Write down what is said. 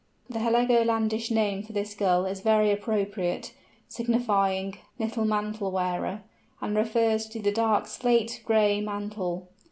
The Heligolandish name for this Gull is very appropriate, signifying "little mantle wearer," and refers to the dark slate gray mantle.